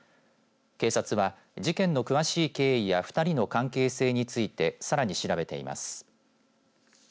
警察は、事件の詳しい経緯や２人の関係性についてさらに調べています。